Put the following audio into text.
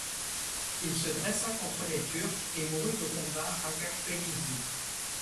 Il se dressa contre les Turcs et mourut au combat à Karpenísi.